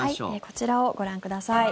こちらをご覧ください。